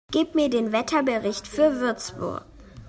Gib mir den Wetterbericht für Würzburg